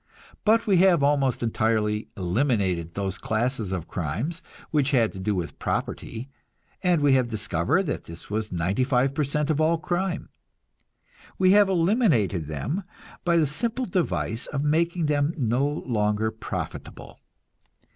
But we have almost entirely eliminated those classes of crime which had to do with property, and we have discovered that this was ninety five per cent of all crime. We have eliminated them by the simple device of making them no longer profitable.